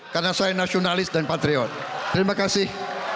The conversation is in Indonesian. karena saya nasionalis dan patriot terima kasih